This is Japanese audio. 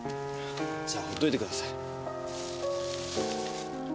じゃあ放っといてください。